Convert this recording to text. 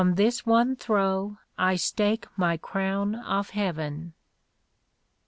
On this one throw I stake my crown of heaven."